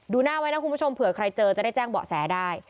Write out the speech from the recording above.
หน้าไว้นะคุณผู้ชมเผื่อใครเจอจะได้แจ้งเบาะแสได้